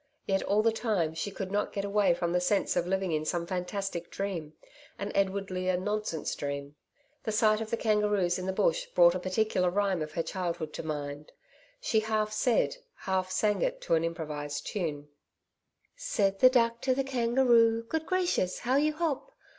Yet all the time, she could not get away from the sense of living in some fantastic dream an Edward Lear nonsense dream. The sight of the kangaroos in the Bush brought a particular rhyme of her childhood to her mind. She half said, half sang it to an improvised tune: 'Said the Duck to the Kangaroo, "Good gracious! how you hop!